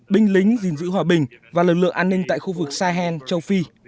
binh lính gìn giữ hòa bình và lực lượng an ninh tại khu vực sahel châu phi